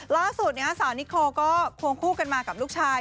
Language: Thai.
ล่าสุดสาวนิโคก็ควงคู่กันมากับลูกชาย